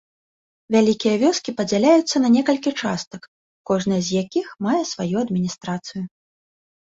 Вялікія вёскі падзяляюцца не некалькі частак, кожная з якіх мае сваю адміністрацыю.